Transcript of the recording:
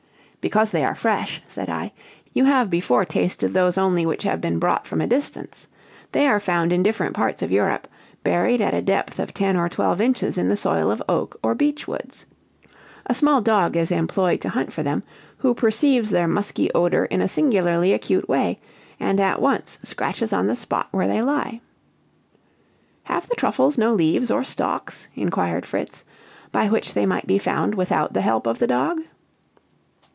"Because they are fresh," said I. "You have before tasted those only which have been brought from a distance. They are found in different parts of Europe, buried at a depth of ten or twelve inches in the soil of oak or beech woods. A small dog is employed to hunt for them, who perceives their musky odor in a singularly acute way, and at once scratches at the spot where they lie." "Have the truffles no leaves or stalks," inquired Fritz, "by which they might be found without the help of the dog?"